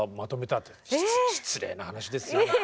失礼な話ですよね。